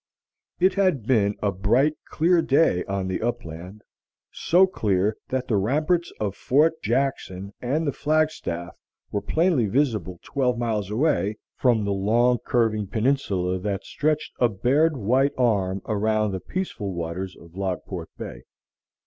It had been a bright clear day on the upland, so clear that the ramparts of Fort Jackson and the flagstaff were plainly visible twelve miles away from the long curving peninsula that stretched a bared white arm around the peaceful waters of Logport Bay.